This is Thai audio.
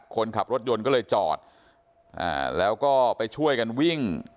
คนขับรถยนต์ก็เลยจอดแล้วก็ไปช่วยกันวิ่ง